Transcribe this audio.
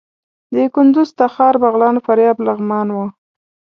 د کندوز، تخار، بغلان، فاریاب، لغمان وو.